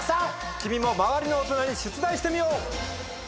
君も周りの大人に出題してみよう！